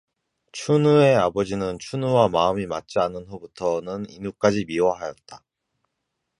춘우의 아버지는 춘우와 마음이 맞지 않은 후부터는 인우까지 미워하였다.